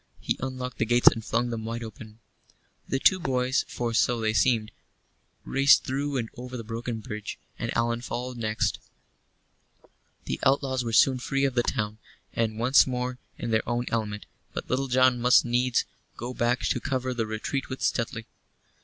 He unlocked the gates and flung them wide open. The two boys for so they seemed raced through and over the broken bridge, and Allan followed next. The outlaws were soon free of the town, and once more in their own element, but Little John must needs go back to cover the retreat with Stuteley.